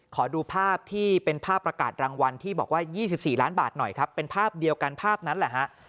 ขอดูภาพที่เป็นภาพประกาศรางวัลที่บอกว่า๒๔ล้านบาทหน่อยครับเป็นภาพเดียวกันภาพนั้นแหละฮะ